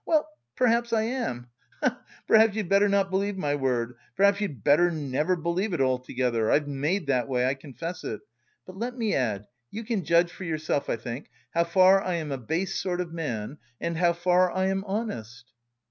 Well, perhaps I am, he he he! Perhaps you'd better not believe my word, perhaps you'd better never believe it altogether I'm made that way, I confess it. But let me add, you can judge for yourself, I think, how far I am a base sort of man and how far I am honest."